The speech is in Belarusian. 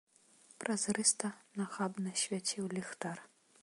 Празрыста, нахабна свяціў ліхтар.